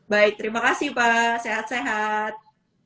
baik terima kasih pak sehat sehat